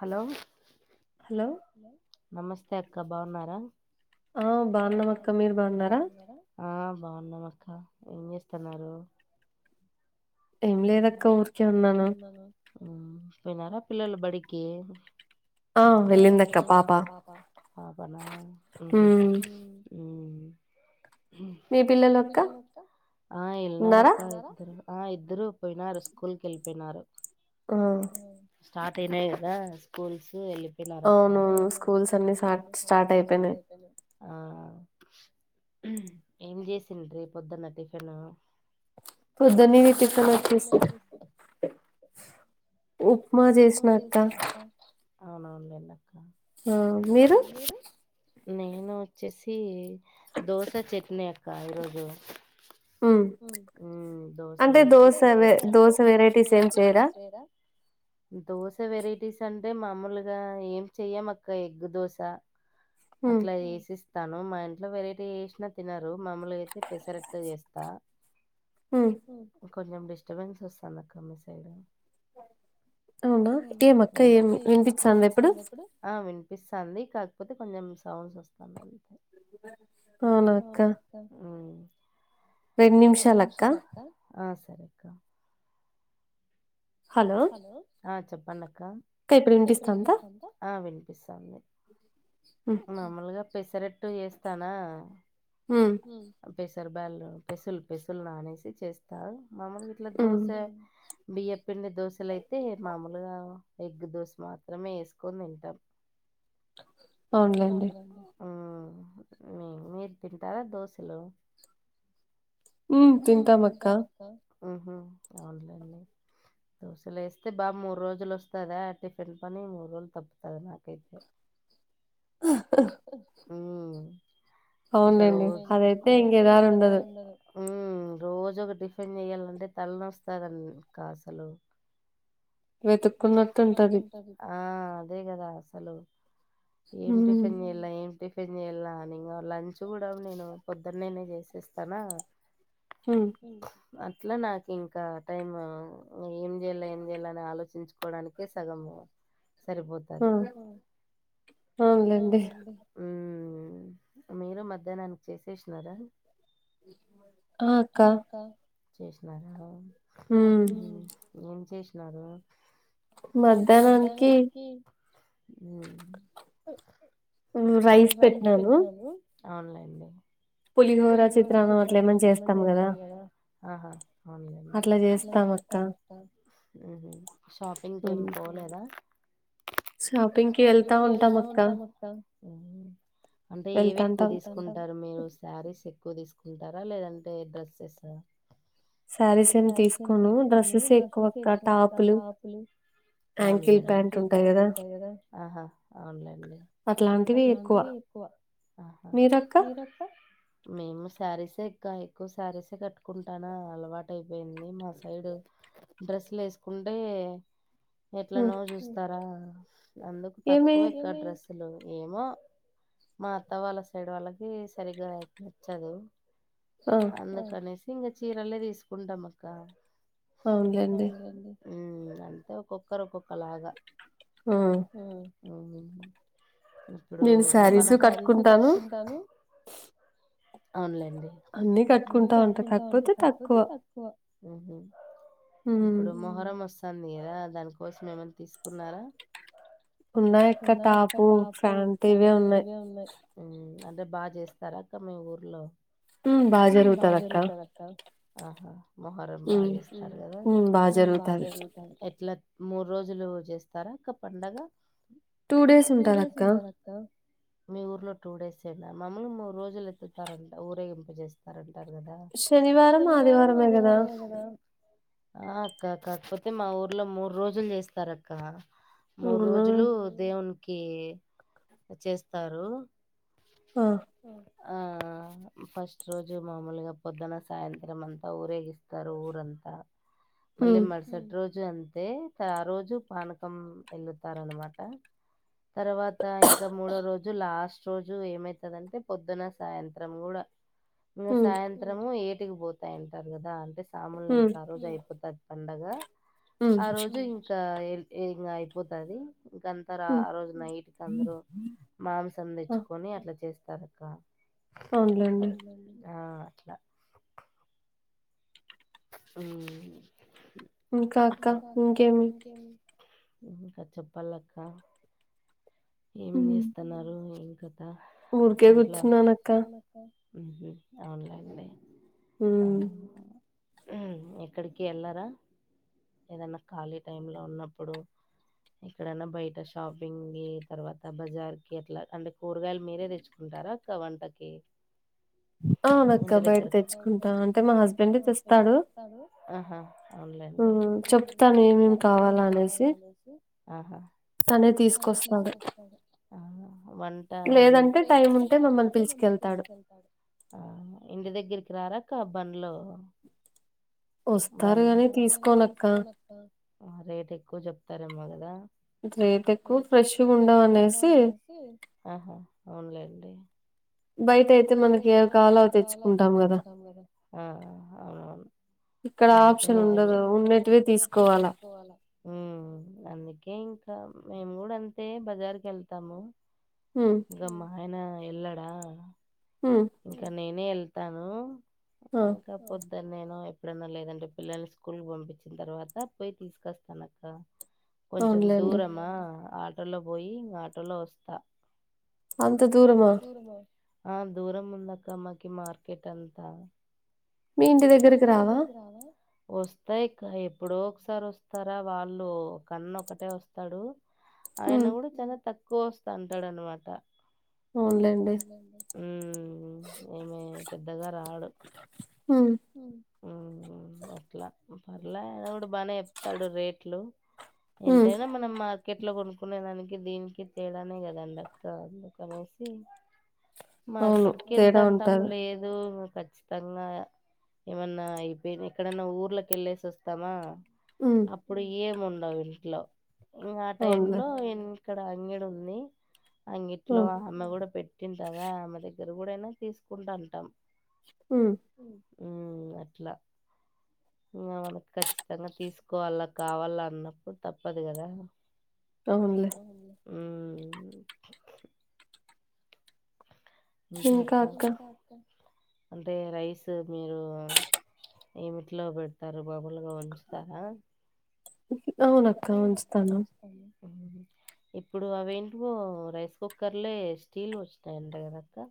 Hello hello hello నమస్తే అక్క బాగున్నారా ఆహ్ బాగున్నం అక్క మీర్ బాగున్నారా ఆ బాగున్నామక్క ఏం జేస్తున్నారు ఏం లేదక్క ఊరికే ఉన్నాను ఉమ్ పోయినారా పిల్లల్ బడికీ ఆహ్ వెళ్ళిందక్క పాపా. ఉమ్ ఆహ్ ఎల్లినారు అక్క ఇద్దరు. ఆ ఇద్దరు పోయినారు స్కూల్కి ఏళ్ళిపోయినారు. స్టార్ట్ అయినై గద స్కూల్సు ఎల్లి. పోయినార్ అక్క. ఆ ఏం జేసిండ్రి పొద్దున్న టిఫిన్. పొద్దున్నే నేనచ టిఫిన్ పేట్టిస్త. ఉక్మ జేసిన అక్క. అవునవును లేండి అక్క. నేను ఓచ్చేసి దోశ చట్నీ అక్క ఈరోజు. ఉమ్ అంటె దోస అదే దోస వెరైటీస్ ఏం చేయర. దోస వెరైటీస్ అంటె మామూలుగా ఏం చెయం అక్క ఎగ్గ్ దోస. అట్లా ఏసేస్. తాను మా ఇంట్లొ వెరైటీ చేశ్నా తినరు మమూల్గ ఐతే పెసరెట్టు చేస్తా. హుమ్. కొంచెం డిస్టర్బెన్స్ ఒస్తాంద్ అక్క మి సైడు. ఔనా ఏం అక్క ఏమ్ విన్పిచ్చాంద ఇప్పుడు‌. ఆ విన్పిస్తాంది కాక్పొతె కొంచం సౌండ్స్ ఒస్తాన్నయ్ అంతే. ఔనా అక్క. రెండు నిమ్షాలక్క. ఆ సరేక్క. హలో ఇప్పుడ్ ఇన్పిస్తుందా. ఆ మాముల్గా పెసరెట్టు చేస్తానా. ఆ. పెసర్ బాల్లు పెసుల్ పెసుల్ నానేసి చేస్తారు మముల్. ట్ల దోసా బియ్యపిండి దోసలైతే మాముల్గా. ఎగ్గ్ దోస్ మాత్రమే ఏస్కొన్ దింటం. ఉమ్ మీ ఇంట్లో మీరు తింటారా దోషాలు. ఉం తింటాన్ అక్క. దోసల్ ఏస్తె బా మూడ్ రోజుల్ ఒస్తాదా టిఫిన్ పని మూడ్ రోజుల్ తప్పుతద్ నాకైతే. మ్మ్ ఇంక రోజు. ఉమ్ రోజుక టిఫిన్ చెయ్యాల్నంటే తల్నొస్తాదన్ ఇంక అసలు. వెతుకున్నట్ట్ ఉంటది. ఆ అదె గదా అసలు ఏం టిఫిన్ చే. ఇల ఏం టిఫిన్ చేయల్ల అని ఇంగ లంచ్ గుడ నేను పొద్దునేనె చేసేస్తను. హుమ్. అట్ల నాక్ ఇంకా టైం ఏం చెయల ఏం చెయలన్ ఆలోచన. చించుకొడానికె సగము సరిపోతాది. ఉమ్ మీరు మధ్యాహ్నానికి చేసేసినారా. ఆ అక్క. హుమ్. ఏం చేశ్నారు. మధ్యాహ్నానికి ఉమ్మ్ ఉమ్మ్ రైస్ పెట్టినాను అవునులేండి పులొహోర చిత్రాన్నం అట్లా ఏమన్నా చేస్తాం కదా ఆహా అవునులేండి అట్లా చేస్తాను మ్మ్ఉహ్మ్ షాపింగ్‌‌కి ఏం పోలేదా షాపింగ్‌కి ఎళ్తా ఉంటం అక్క అంటే ఏవెక్కువ తీసుకుంటారు మీరు శారీస్ ఎక్కువ తీసుకుంటారా లేదంటే డ్రెస్సెసా శారీస్ ఏం తీస్కొను డ్రస్సెసే ఎక్కువ అక్క టాపులు అవునులేండి ట్రెంకిల్ ప్యాంటు ఉంటది కదా ఆహా అవునులేండి అట్లాంటివి ఎక్కువ మీరక్క మేము శారీసే ఎక్క ఎక్కువ శారీసే కట్టుకుంటానా అలవా టైపోయింది మా సైడ్ డ్రెస్‌లు ఎసుకుంటే ఎట్లనో చూ స్తారా అందుకు తక్కువే అక్క డ్రెస్సులు ఏమో మా అత్త వాళ్ళ సైడ్ వాళ్ళకి సరిగ్గా నచ్చదు అందుకనేసి ఇంకా చీరలే తీసుకుంటాం అక్క అవునులేండి ఉమ్మ్ అంతే ఒక్కొక్కరు ఒక్కొక్కలాగా ఉమ్మ్ ఉమ్మ్ ఇప్పుడు మొహరం నేను శారీసే కట్టుకుంటాను అవునులేండి అన్నీ కట్టుకుంటా ఉంటా కాకపోతే త క్కువ మ్మ్ఉహ్మ్ ఇప్పుడు మొ హరాం వస్తాంది కదా దాని కోసం ఏమైనా తీసుకున్నారా ఉన్నాయి అక్క టాపు ఫ్యాంటు ఇవే ఉన్నాయి ఉమ్మ్ అంటే బాగా చేస్తారా అక్క మీ ఊర్లో ఉమ్మ్ బాగా జరుగుతాది అక్క ఆహా మొహరం బాగా చేస్తారు కదా ఉమ్మ్ బాగా జరుగుతాది ఎట్లా మూడు రోజులు చేస్తారా అక్క పండగ టూ డేస్ ఉంటారు అ క్క మీ ఊర్లో టూ డేస్ ఏనా మమూలుగా రోజులు ఎత్తుతారంట ఊరేగింపు చే స్తారు అంటారు కదా శనివారం ఆ అక్క కాకపోతే మా ఊర్లో మూడు రోజులు చేస్తారక్క మూడు రోజులు దేవునికి చేస్తారు ఆ ఫస్ట్ రోజు మామూలుగా పొద్దున సాయంత్రం అం తా ఊరేగిస్తారు ఊరంతా మళ్ళీ మ రుసటి రోజు అంతే ఇంకా ఆరోజు పానకం ఎలుతారనమాట తర్వాత ఇంకా మూడో రోజు లాస్ట్ రోజు ఏమైతదంటే పొద్దున సాయంత్రం కూడా ఇంగ సాయంత్రము ఏటికి పోతాయంటారు కదా అంటే సామొళ్ళు ఇంకా అరోజు అయిపోతాది పండగ ఆరోజు ఇంకా ఇంగ అయిపోతది ఇంకాం తర ఆరోజు నైట్‌కి అందరూ మాంసం తెచ్చుకొని అట్లా చేస్తారు అక్క అవునులేండి ఆ అట్లా ఉమ్మ్ ఇంకా అక్క ఇంకేమి ఇంకా చెప్పాలక్క ఏం చేస్తున్నారు ఏం కత ఊరికే కూర్చున్నాను అక్క మ్మ్ఉహ్మ్ అవునులేండి ఉమ్మ్ ఉమ్మ్ ఎక్కడికి ఎళ్ళరా ఏదన్నా ఖాళీ టైంలో ఉన్నప్పుడు ఇక్కడన్నా బయట షాపింగి తర్వాత బజార్కి అట్లా అంటే కూరగాయలు మీరే తెచ్చు. కుంటారా అక్క వంటకి. ఇంటి దగ్గర. తెస్తారు ఆహా అవునులేండి చెప్తాను ఏమేం కావాలా అనేసి. ఆహా. తనే తీసుకొస్తాడు వంట అది లేదంటే టైం ఉంటే మమ్మల్ని. కెళ్తాడు ఆ ఇంటి దగ్గరికి రారక్క బండ్లు. బండ్లు రేట్ ఎక్కువ చెప్తారెమో కదా. రేట్ ఎక్కువ ఫ్రెష్గుండవు అనేసి. సి. ఆహా అవునులేండి. బయటయితే మనకి ఏవి కావాలో అవి తెచ్చుకుంటాం కదా ఆ అవునునవును. అదైతే నిజమే. ఉ అందుకే ఇంకా మేము కూడా అంతే బజార్కి ఎళ్తాము. ఉమ్. ఇంకా మా ఆయన ఎళ్ళడా. ఉమ్. ఇంగా నేనే ఎళ్తాను. అ. ఇగ పోద్దనేనో ఎప్పుడైన్నా లేదంటే పిల్లల్ని స్కూల్ పంపించిన తర్వాత పోయి తీసుకొస్తాను అక్క. కొంచెం దూరమా ఆటోలో పోయి ఆటోలో వస్తా. ఎంత దూరమో ఆ దూరం ఉందక్క మాకి మార్కెట్ అంతా. మీ ఇంటి దగ్గరకి రావా. వస్తాయి ఇక్క ఎప్పుడో ఒకసారి వస్తారా వాళ్ళు ఒక అన్న ఒకటే వస్త. వస్తాడు ఆయన కూడా చాలా తక్కువ వస్తా అంటాడు అనమాట. ఉమ్ ఏమే పెద్దగా రాడు. ఉమ్. ఉమ్. ఉహు అట్లా పర్లే ఆయన గూడ బానే చెప్తండు రేట్లు. ఎంతైనా మనం మార్. ర్కెట్లో కొనుక్కునే దానికి దీనికి తేడానే కదండి అక్క అందుకనేసి. మార్కెట్కి వెళ్ద అంటాం లేదు ఖచ్చితంగా. ఏమన్నా అయిపోయినై ఎక్కడన్నా ఊర్లోకి వెళ్ళేసి వస్తామా. ఉమ్. ఇప్పుడు ఏం ఉండవు ఇంట్లో ఇంగా ఆ టైంలో ఇం. ఇక్కడ అంగడూంది అంగేట్లో ఆమె గూడా పె. పెట్టింది కదా ఆమె దగ్గర గూడా ఐనా తీసుకుంటా అంటాం. ఉ. ఉమ్ అట్లా. ఇగ మనకి ఖచ్చితంగా తీసుకోవాలా కావాలా అన్నప్పుడు తప్పదు గదా. అవునులే. ఉమ్. ఇంకా అక్క. అంటే రైస్ మీరు ఏమిట్లో పెట్. తర బాబులుగా ఉంచుతారా అవునక్కా ఉంచుతాను ఇప్పుడు అవేంటివో రైస్ కుక్కర్లే స్టీల్ వచ్చినాయంట గదక్కా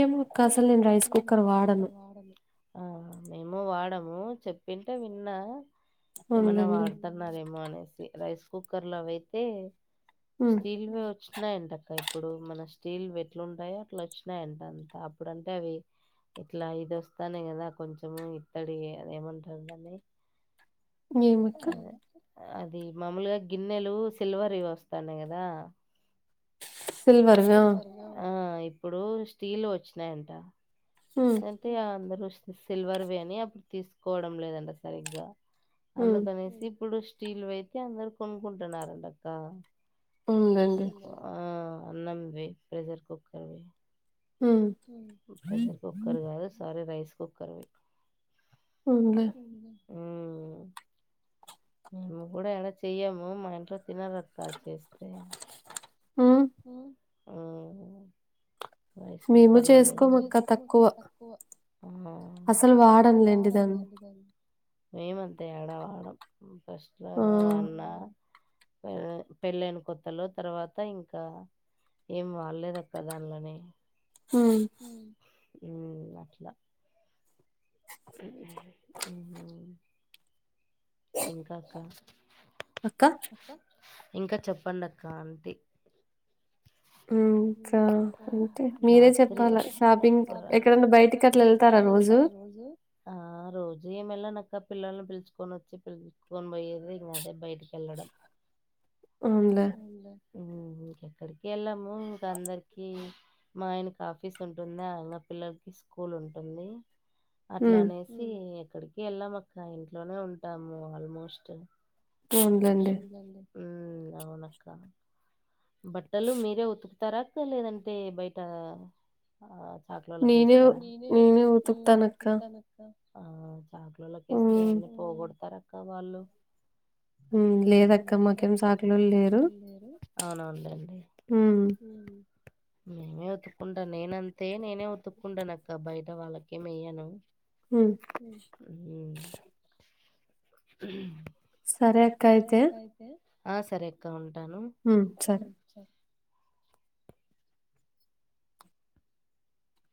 ఏమో క్కసలు నేను రైస్ కుక్కర్ వాడను వాడను ఆ మేము వాడము చెప్పింటే విన్నా ఏమన్నా వాడ ద్దన్నరేమో అనేసి రైస్ కుక్కర్లో అవి అయితే స్టీల్వి వచ్చి న్నాయంట అక్క ఇప్పుడు మన స్టీల్ ఎట్లుంటాయో అట్లా వచ్చినాయంట అంత అప్పుడు అంటే అవి ఇట్లా ఇదివోస్తానే కదా కొంచం ఇత్తడి ఏమంటారు దాన్ని అది అది మామూలుగా గిన్నెలు సిల్వర్వి వస్తాన్నాయి గదా సిల్వర్వి ఆ ఆ ఇప్పుడు స్టీల్ వచ్చినాయంట అంటే అందరు సి సిల్వర్వి అని అప్పుడు తీసుకోడం లేదంట సరిగ్గా అందుకనేసి ఇప్పుడు స్టీల్వి అయితే అందరు కొనుకుంటున్నరంటా అక్క ఉందండి ఆ అన్నం వి ప్రెజర్ కుక్కర్వి ఉహు ప్రెజర్ కుక్కర్ కాదు సారీ రైస్ కుక్కర్వి అవున్లే ఉమ్ మేము గూడా ఎడ చెయ్యము మా ఇంట్లో తినరక్క చేస్తే హ్మ్ ఉమ్ రైస్ కుక్కర్లలో మేము చేసుకోము ఇంక తక్కువ ఆహా అసలు వాడం ఎందుకని మేము అంతే ఏడ వాడం ఫస్ట్ ఎమో వన్న అదే పెళ్ళైన కొత్తలో తర్వాత ఇంకా ఏం వాడ్లేదక్క దాల్నోనే హ్మ్ మ్ హ్మ్ అట్ల మ్ ఏం కావాలి ఇంక అక్కా అక్కా ఇంకా చెప్పండక్క అంటి మ్ స అంటి మీరే చెప్పాలా షాపింగ్ ఎక్కడైన్నా బైటికి అట్లా ఎ అట్ల ఎళ్తర రోజు ఆ రోజు ఏమెళ్ళనక్క పిల్లల్ని పిల్చుకొనొచ్చి పిల్చుకొని పోయేది ఇంగదే బైటికెళ్ళడం అవున్లే మ్ ఇంకెక్కడికెళ్ళము ఇంక అందరికి మా ఆయనకి ఆఫీస్ ఉంటుందా నా పిల్లల్కీ స్కూలుంటుంది అట్లానేసి ఎక్కడికి ఎళ్ళాం అక్క ఇంట్లోనే ఉంటాము ఆల్మోస్ట్ ఎందుకండి ఉమ్ అవునక్క బట్టలు మీరే ఉతుకుతారా లేదంటే బైటా ఆ చాక్లోళ్ళకేస్తారా నేనే ఉతుక్తానక్కా చాక్లోలకేస్తే అన్ని పోగొడ్తారక్క వాళ్ళు హ్మ్ లేదక్క మాకేం సాక్లోల్లు లేరు అవునవునుల్లెండి మ్ మేమే ఉతుక్కంటా నేనంతే నేనే ఉతుకుంటాను అక్క బైట వాళ్ళకేమెయ్యను హు ఉ సరే సరే అక్క అయితే ఆ సరే అక్క ఉంటాను హు సరే బాయ్